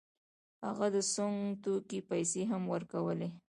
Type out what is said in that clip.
هغه د سونګ توکو پیسې هم ورکولې.